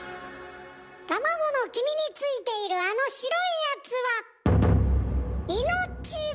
卵の黄身についているあの白いやつは命綱。